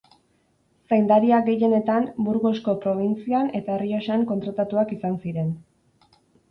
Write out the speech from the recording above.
Zaindariak gehienetan Burgosko probintzian eta Errioxan kontratatuak izan ziren.